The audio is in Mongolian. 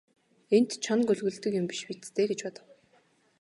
Энд чоно гөлөглөдөг юм биш биз дээ гэж бодов.